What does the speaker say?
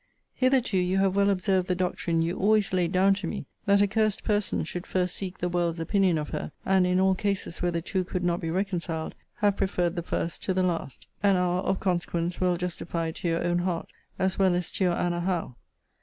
Hitherto you have well observed the doctrine you always laid down to me, That a cursed person should first seek the world's opinion of her; and, in all cases where the two could not be reconciled, have preferred the first to the last; and are, of consequence, well justified to your own heart, as well as to your Anna Howe.